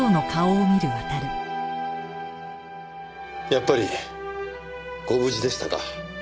やっぱりご無事でしたか。